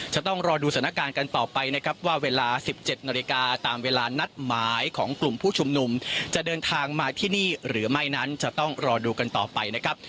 จะต้องรอดูสถานการณ์กันต่อไปนะครับว่าเวลา๑๗นาฬิกาตามเวลานัดหมายของกลุ่มผู้ชุมนุมจะเดินทางมาที่นี่หรือไม่นั้นจะต้องรอดูกันต่อไปนะครับ